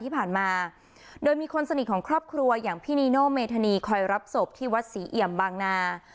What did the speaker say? ที่ผ่านมาโดยมีคนสนิทของครอบครัวอย่างพี่นีโนเมธานีคอยรับศพที่วัดศรีเอี่ยมบางนา